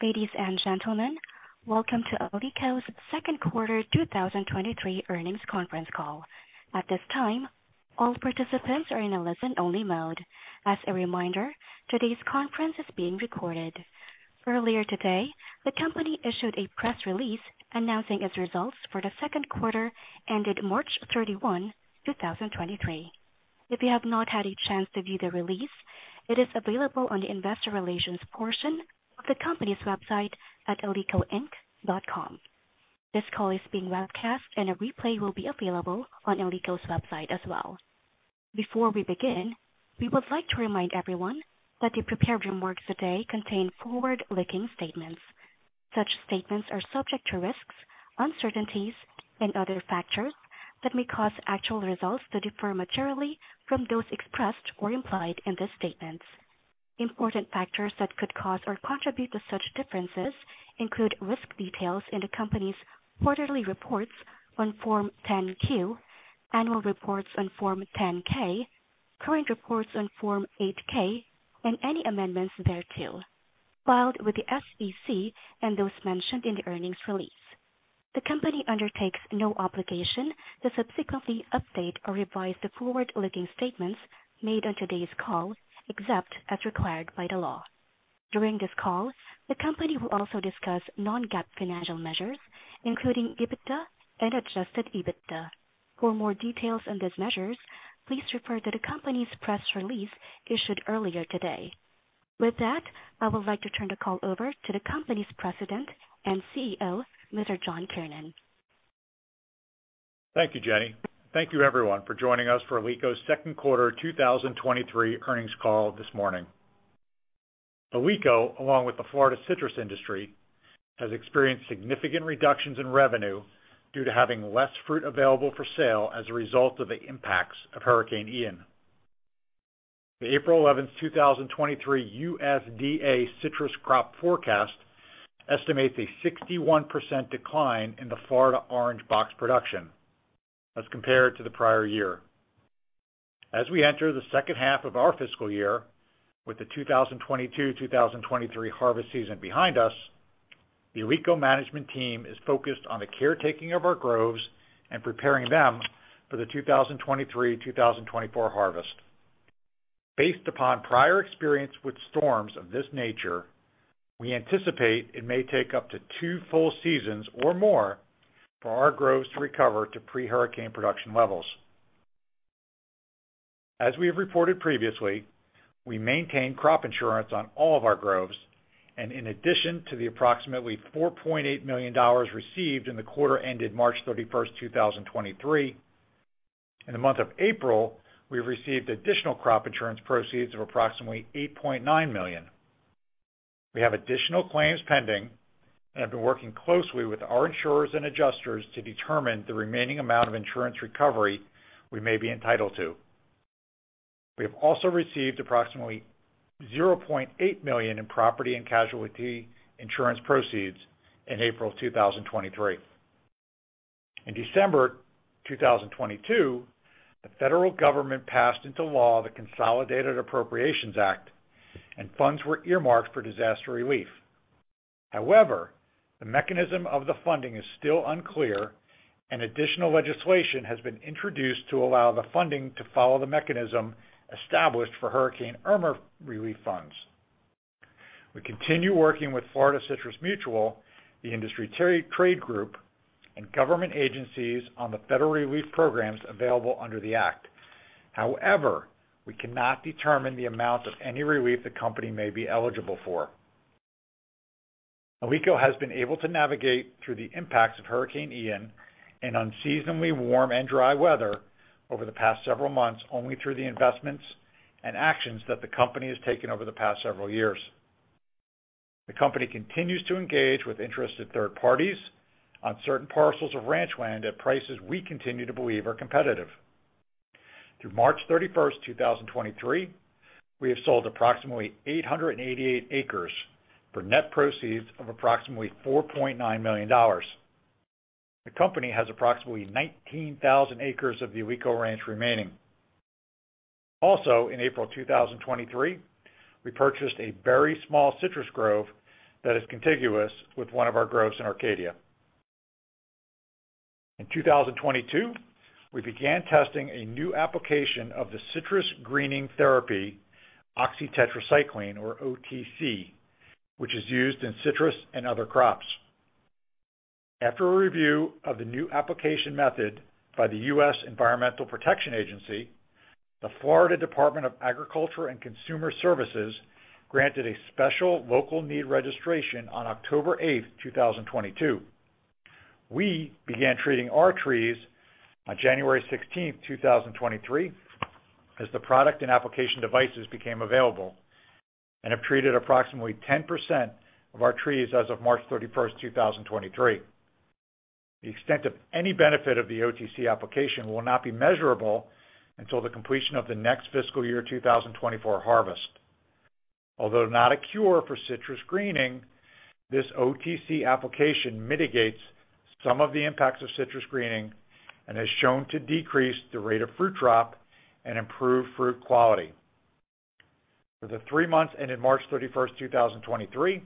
Ladies and gentlemen, welcome to Alico's second quarter 2023 earnings conference call. At this time, all participants are in a listen-only mode. As a reminder, today's conference is being recorded. Earlier today, the company issued a press release announcing its results for the second quarter ended March 31, 2023. If you have not had a chance to view the release, it is available on the investor relations portion of the company's website at alicoinc.com. This call is being webcast, and a replay will be available on Alico's website as well. Before we begin, we would like to remind everyone that the prepared remarks today contain forward-looking statements. Such statements are subject to risks, uncertainties, and other factors that may cause actual results to differ materially from those expressed or implied in the statements. Important factors that could cause or contribute to such differences include risk details in the company's quarterly reports on Form 10-Q, annual reports on Form 10-K, current reports on Form 8-K, and any amendments thereto filed with the SEC and those mentioned in the earnings release. The company undertakes no obligation to subsequently update or revise the forward-looking statements made on today's call, except as required by the law. During this call, the company will also discuss non-GAAP financial measures, including EBITDA and adjusted EBITDA. For more details on these measures, please refer to the company's press release issued earlier today. With that, I would like to turn the call over to the company's President and CEO, Mr. John Kiernan. Thank you, Jenny. Thank you everyone for joining us for Alico's second quarter 2023 earnings call this morning. Alico, along with the Florida Citrus industry, has experienced significant reductions in revenue due to having less fruit available for sale as a result of the impacts of Hurricane Ian. The April 11, 2023 USDA citrus crop forecast estimates a 61% decline in the Florida orange box production as compared to the prior year. As we enter the second half of our fiscal year with the 2022-2023 harvest season behind us, the Alico management team is focused on the caretaking of our groves and preparing them for the 2023-2024 harvest. Based upon prior experience with storms of this nature, we anticipate it may take up to two full seasons or more for our groves to recover to pre-hurricane production levels. As we have reported previously, we maintain crop insurance on all of our groves, and in addition to the approximately $4.8 million received in the quarter ended March 31st, 2023, in the month of April, we have received additional crop insurance proceeds of approximately $8.9 million. We have additional claims pending and have been working closely with our insurers and adjusters to determine the remaining amount of insurance recovery we may be entitled to. We have also received approximately $0.8 million in property and casualty insurance proceeds in April 2023. In December 2022, the federal government passed into law the Consolidated Appropriations Act, and funds were earmarked for disaster relief. The mechanism of the funding is still unclear, and additional legislation has been introduced to allow the funding to follow the mechanism established for Hurricane Irma relief funds. We continue working with Florida Citrus Mutual, the industry trade group, and government agencies on the federal relief programs available under the Act. We cannot determine the amount of any relief the company may be eligible for. Alico has been able to navigate through the impacts of Hurricane Ian in unseasonably warm and dry weather over the past several months only through the investments and actions that the company has taken over the past several years. The company continues to engage with interested third parties on certain parcels of ranch land at prices we continue to believe are competitive. Through March 31st, 2023, we have sold approximately 888 acres for net proceeds of approximately $4.9 million. The company has approximately 19,000 acres of the Alico Ranch remaining. In April 2023, we purchased a very small citrus grove that is contiguous with one of our groves in Arcadia. In 2022, we began testing a new application of the citrus greening therapy, oxytetracycline or OTC, which is used in citrus and other crops. After a review of the new application method by the U.S. Environmental Protection Agency, the Florida Department of Agriculture and Consumer Services granted a special local need registration on October 8th, 2022. We began treating our trees on January 16, 2023, as the product and application devices became available, and have treated approximately 10% of our trees as of March 31st, 2023. The extent of any benefit of the OTC application will not be measurable until the completion of the next fiscal year, 2024 harvest. Although not a cure for citrus greening, this OTC application mitigates some of the impacts of citrus greening and has shown to decrease the rate of fruit drop and improve fruit quality. For the three months ending March 31st, 2023,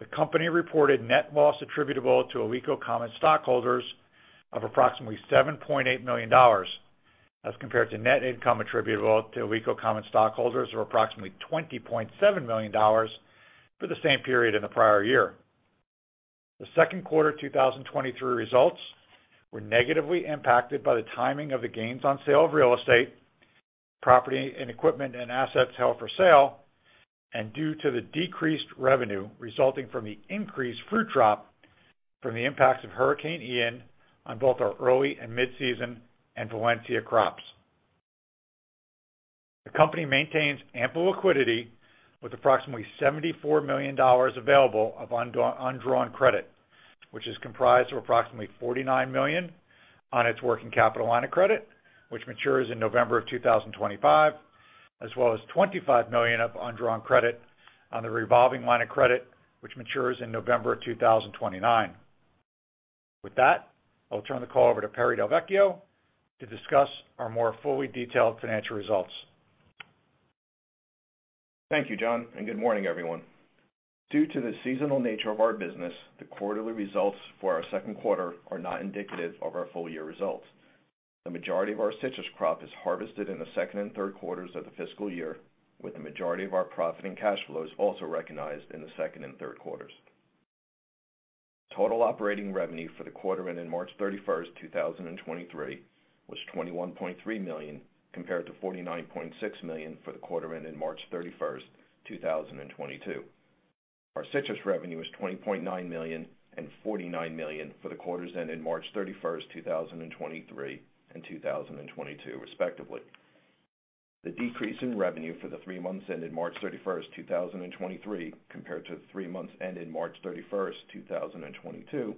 the company reported net loss attributable to Alico common stockholders of approximately $7.8 million as compared to net income attributable to Alico common stockholders of approximately $20.7 million for the same period in the prior year. The second quarter 2023 results were negatively impacted by the timing of the gains on sale of real estate, property, and equipment, and assets held for sale, and due to the decreased revenue resulting from the increased fruit drop from the impacts of Hurricane Ian on both our early and mid-season and Valencia crops. The company maintains ample liquidity with approximately $74 million available of undrawn credit, which is comprised of approximately $49 million on its working capital line of credit, which matures in November of 2025, as well as $25 million of undrawn credit on the revolving line of credit, which matures in November of 2029. With that, I'll turn the call over to Perry Del Vecchio to discuss our more fully detailed financial results. Thank you, John. Good morning, everyone. Due to the seasonal nature of our business, the quarterly results for our second quarter are not indicative of our full-year results. The majority of our citrus crop is harvested in the second and third quarters of the fiscal year, with the majority of our profit and cash flows also recognized in the second and third quarters. Total operating revenue for the quarter ending March 31st, 2023, was $21.3 million, compared to $49.6 million for the quarter ending March 31st, 2022. Our citrus revenue is $20.9 million and $49 million for the quarters ending March 31st, 2023, and 2022, respectively. The decrease in revenue for the three months ending March 31st, 2023, compared to the three months ending March 31st, 2022,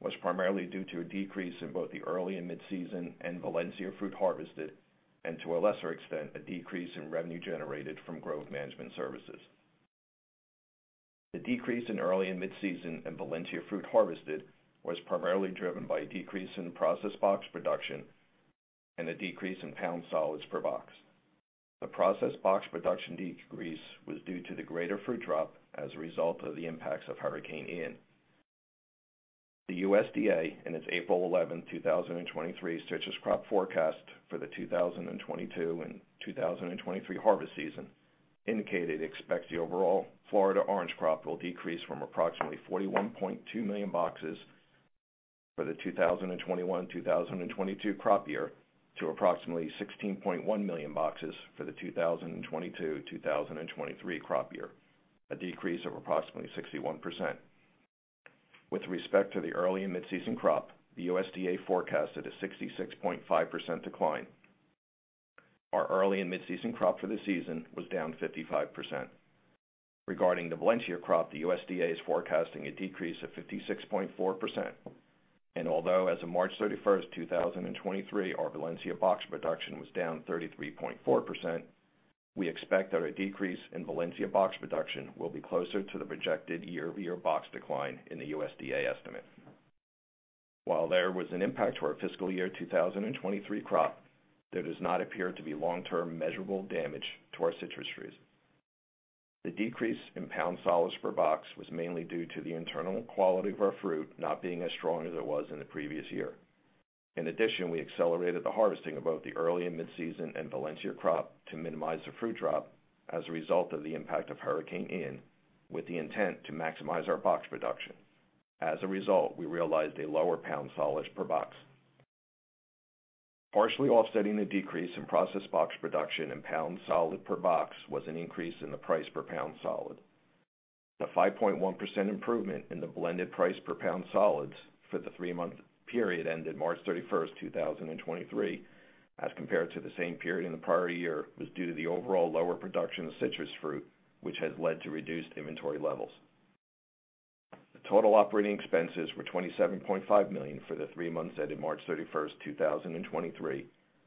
was primarily due to a decrease in both the early and mid-season and Valencia fruit harvested, and to a lesser extent, a decrease in revenue generated from grove management services. The decrease in early and mid-season and Valencia fruit harvested was primarily driven by a decrease in the process box production and a decrease in pound solids per box. The process box production decrease was due to the greater fruit drop as a result of the impacts of Hurricane Ian. The USDA, in its April 11, 2023, citrus crop forecast for the 2022 and 2023 harvest season, indicated it expects the overall Florida orange crop will decrease from approximately 41.2 million boxes for the 2021, 2022 crop year to approximately 16.1 million boxes for the 2022, 2023 crop year, a decrease of approximately 61%. With respect to the early and mid-season crop, the USDA forecasted a 66.5% decline. Our early and mid-season crop for the season was down 55%. Regarding the Valencia crop, the USDA is forecasting a decrease of 56.4%. Although as of March 31st, 2023, our Valencia box production was down 33.4%, we expect that a decrease in Valencia box production will be closer to the projected year-over-year box decline in the USDA estimate. While there was an impact to our fiscal year 2023 crop, there does not appear to be long-term measurable damage to our citrus trees. The decrease in pound solids per box was mainly due to the internal quality of our fruit not being as strong as it was in the previous year. In addition, we accelerated the harvesting of both the early and mid-season and Valencia crop to minimize the fruit drop as a result of the impact of Hurricane Ian, with the intent to maximize our box production. As a result, we realized a lower pound solids per box. Partially offsetting the decrease in process box production and pound solid per box was an increase in the price per pound solid. The 5.1% improvement in the blended price per pound solids for the three-month period ended March 31st, 2023, as compared to the same period in the prior year, was due to the overall lower production of citrus fruit, which has led to reduced inventory levels. The total operating expenses were $27.5 million for the three months ending March 31st, 2023,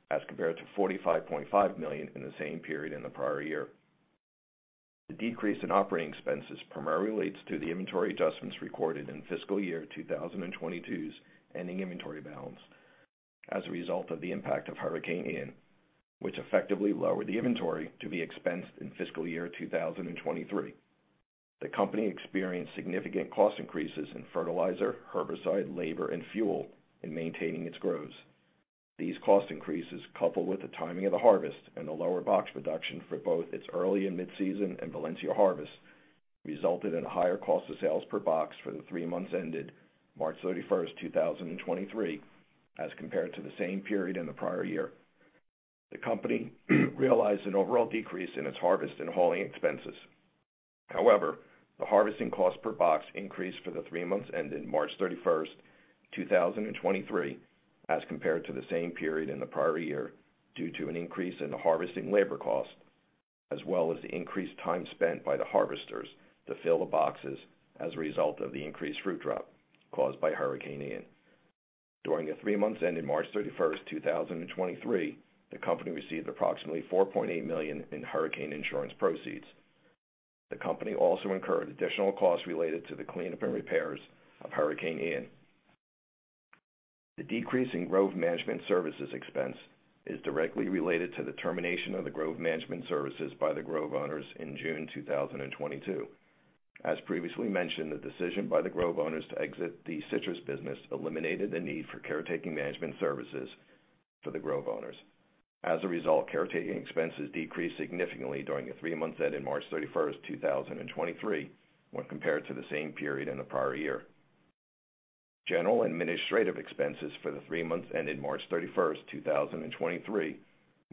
as compared to $45.5 million in the same period in the prior year. The decrease in operating expenses primarily relates to the inventory adjustments recorded in fiscal year 2022's ending inventory balance as a result of the impact of Hurricane Ian, which effectively lowered the inventory to be expensed in fiscal year 2023. The company experienced significant cost increases in fertilizer, herbicide, labor, and fuel in maintaining its groves. These cost increases, coupled with the timing of the harvest and the lower box production for both its early and mid-season and Valencia harvests, resulted in a higher cost of sales per box for the three months ended March 31st, 2023, as compared to the same period in the prior year. The company realized an overall decrease in its harvest and hauling expenses. The harvesting cost per box increased for the three months ending March 31st, 2023, as compared to the same period in the prior year, due to an increase in the harvesting labor cost as well as the increased time spent by the harvesters to fill the boxes as a result of the increased fruit drop caused by Hurricane Ian. During the three months ending March 31st, 2023, the company received approximately $4.8 million in hurricane insurance proceeds. The company also incurred additional costs related to the cleanup and repairs of Hurricane Ian. The decrease in grove management services expense is directly related to the termination of the grove management services by the grove owners in June 2022. As previously mentioned, the decision by the grove owners to exit the citrus business eliminated the need for caretaking management services for the grove owners. As a result, caretaking expenses decreased significantly during the three months ending March 31st, 2023, when compared to the same period in the prior year. General administrative expenses for the three months ended March 31st, 2023,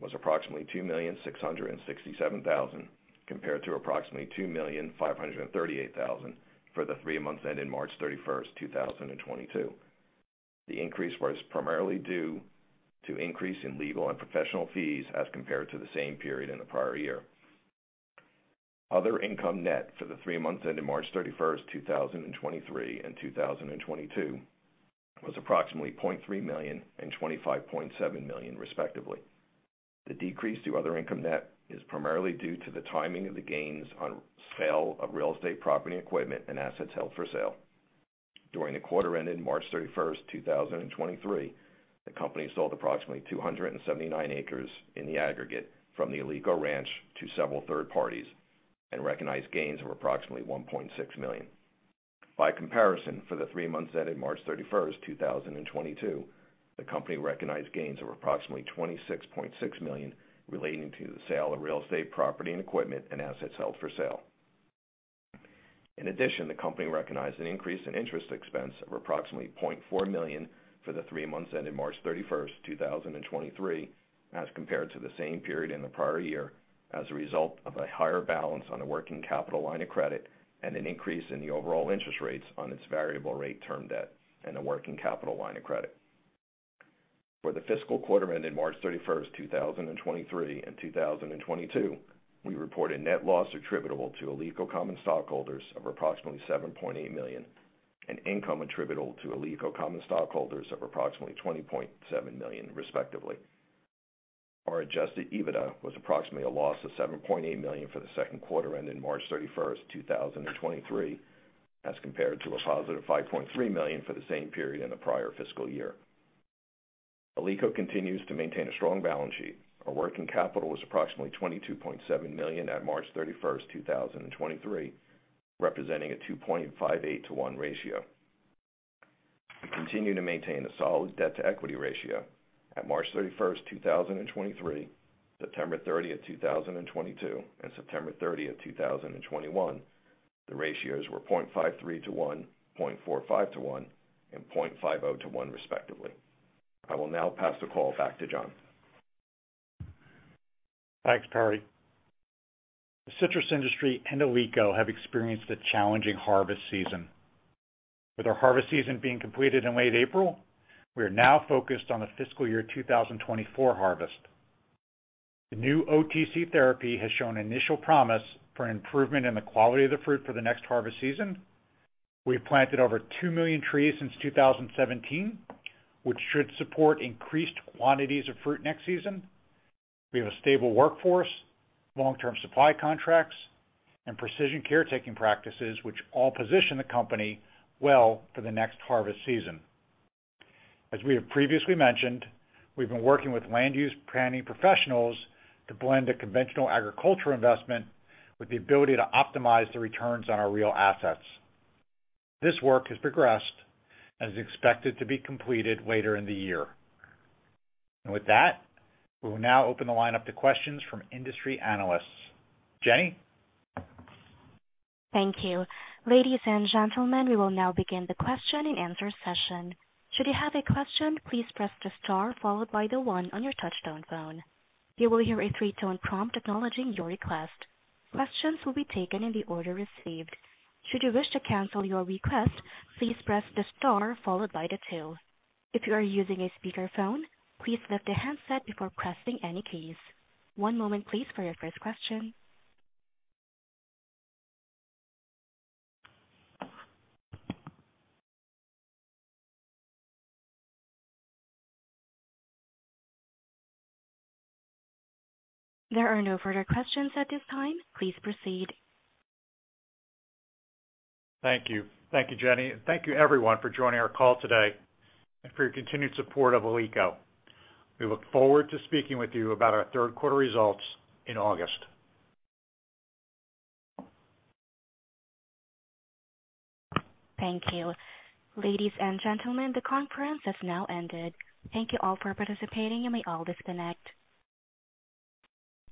was approximately $2,667,000, compared to approximately $2,538,000 for the three months ending March 31st, 2022. The increase was primarily due to increase in legal and professional fees as compared to the same period in the prior year. Other income net for the three months ending March 31st, 2023, and 2022 was approximately $0.3 million and $25.7 million, respectively. The decrease to other income net is primarily due to the timing of the gains on sale of real estate, property, and equipment and assets held for sale. During the quarter ended March 31st, 2023, the company sold approximately 279 acres in the aggregate from the Alico Ranch to several third parties and recognized gains of approximately $1.6 million. By comparison, for the three months ending March 31st, 2022, the company recognized gains of approximately $26.6 million relating to the sale of real estate, property and equipment, and assets held for sale. In addition, the company recognized an increase in interest expense of approximately $0.4 million for the three months ending March 31st, 2023, as compared to the same period in the prior year as a result of a higher balance on a working capital line of credit and an increase in the overall interest rates on its variable rate term debt and a working capital line of credit. For the fiscal quarter ended March 31st, 2023, and 2022, we reported net loss attributable to Alico common stockholders of approximately $7.8 million and income attributable to Alico common stockholders of approximately $20.7 million, respectively. Our adjusted EBITDA was approximately a loss of $7.8 million for the second quarter ended March 31st, 2023, as compared to a positive $5.3 million for the same period in the prior fiscal year. Alico continues to maintain a strong balance sheet. Our working capital was approximately $22.7 million at March 31st, 2023, representing a 2.58 to 1 ratio. We continue to maintain a solid debt-to-equity ratio. At March 31st, 2023, September 30th, 2022, and September 30th, 2021, the ratios were 0.53 to one, 0.45 to one, and 0.5 to one, respectively. I will now pass the call back to John. Thanks, Perry. The citrus industry and Alico have experienced a challenging harvest season. With our harvest season being completed in late April, we are now focused on the fiscal year 2024 harvest. The new OTC therapy has shown initial promise for an improvement in the quality of the fruit for the next harvest season. We have planted over 2 million trees since 2017, which should support increased quantities of fruit next season. We have a stable workforce, long-term supply contracts, and precision caretaking practices, which all position the company well for the next harvest season. As we have previously mentioned, we've been working with land use planning professionals to blend a conventional agricultural investment with the ability to optimize the returns on our real assets. This work has progressed and is expected to be completed later in the year. With that, we will now open the line up to questions from industry analysts. Jenny? Thank you. Ladies and gentlemen, we will now begin the question-and-answer session. Should you have a question, please press the star followed by the one on your touchtone phone. You will hear a three-tone prompt acknowledging your request. Questions will be taken in the order received. Should you wish to cancel your request, please press the star followed by the two. If you are using a speakerphone, please lift the handset before pressing any keys. One moment, please, for your first question. There are no further questions at this time. Please proceed. Thank you. Thank you, Jenny. Thank you everyone, for joining our call today and for your continued support of Alico. We look forward to speaking with you about our third quarter results in August. Thank you. Ladies and gentlemen, the conference has now ended. Thank you all for participating. You may all disconnect.